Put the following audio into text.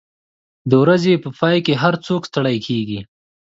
د ورځې په پای کې هر څوک ستړي کېږي.